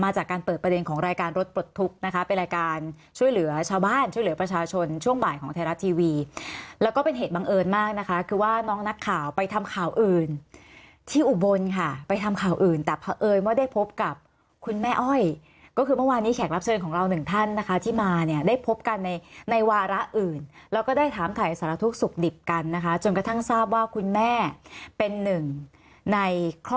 จนช่วงบ่ายของไทยรับทีวีแล้วก็เป็นเหตุบังเอิญมากนะคะคือว่าน้องนักข่าวไปทำข่าวอื่นที่อุบลค่ะไปทำข่าวอื่นแต่พระเอยไม่ได้พบกับคุณแม่อ้อยก็คือเมื่อวานนี้แขกรับเชิญของเราหนึ่งท่านนะคะที่มาเนี่ยได้พบกันในวาระอื่นแล้วก็ได้ถามถ่ายสารทุกข์สุขดิบกันนะคะจนกระทั่งทราบว่าคุณแม่เป็นหนึ่งในครอ